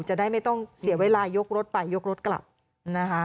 จะได้ไม่ต้องเสียเวลายกรถไปยกรถกลับนะคะ